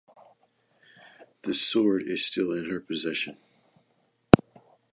The sword is still in her possession.